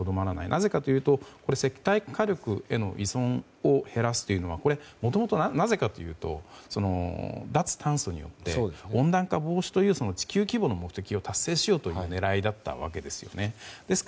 なぜかというと、石炭火力への依存を減らすというのはもともと、なぜかというと脱炭素によって温暖化防止という地球規模の目的を達成しようという狙いだったわけです。